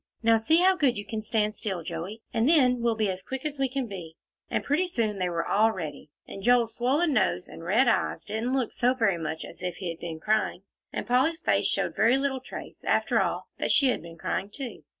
Now see how good you can stand still, Joey, and then we'll be as quick as we can be." And pretty soon they were all ready, and Joel's swollen nose and red eyes didn't look so very much as if he had been crying, and Polly's face showed very little trace, after all, that she had been crying, too.